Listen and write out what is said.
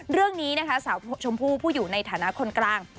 เรื่องนี้นะคะสาวชมพู่ผู้อยู่ในฐานะคนกลาง